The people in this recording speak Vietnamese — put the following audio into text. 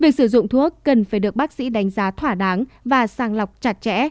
việc sử dụng thuốc cần phải được bác sĩ đánh giá thỏa đáng và sàng lọc chặt chẽ